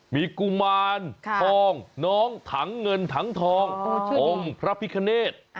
มีกุมารทองน้องถังเงินถังทององค์พระพิคเนธ